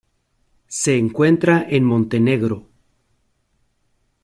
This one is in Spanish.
Se encuentra en Montenegro.